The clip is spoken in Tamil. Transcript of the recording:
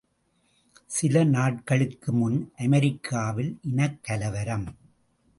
சில நாட்களுக்கு முன் அமெரிக்காவில் இனக்கலவரம்.